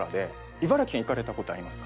茨城に行かれた事ありますか？